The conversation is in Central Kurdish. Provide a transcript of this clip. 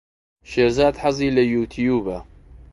شێرزاد حەزی لە یووتیووبە.